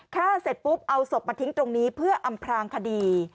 ฆ่าเสร็จปุ๊บเอาศพมาทิ้งตรงนี้เพื่ออำพลางคดี